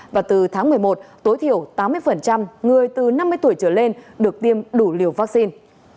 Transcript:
và từ tháng một mươi một tối thiểu tám mươi người từ năm mươi tuổi trở lên được tiêm đủ liều vaccine